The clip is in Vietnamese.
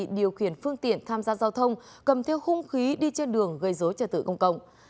điều khiển phương tiện tham gia giao thông cầm theo khung khí đi trên đường gây dối trật tự công cộng